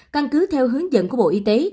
căn cứ theo hướng dẫn của bộ y tế